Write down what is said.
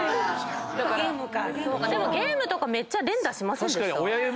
でもゲームとかめっちゃ連打しませんでした？